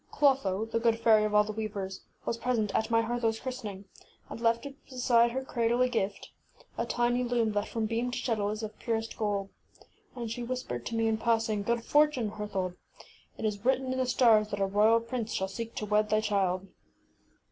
Clotho, the good fairy of all the weavers, was present at my Her thaŌĆÖs christening, and left beside her cradle a gift: a tiny loom that from beam to shuttle is of pur est gold. And she whis pered to me in passing, ŌĆśGood fortune, Herthold. It is written in the stars that a royal prince shall seek to wed thy child.